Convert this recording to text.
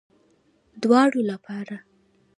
دواړو لپاره